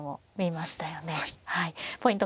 ポイント